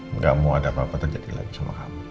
nggak mau ada apa apa terjadi lagi sama kamu